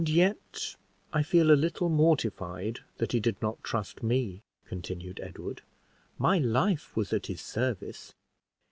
"And yet I feel a little mortified that he did not trust me," continued Edward; "my life was at his service."